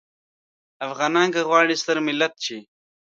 افغانان که غواړي ستر ملت شي.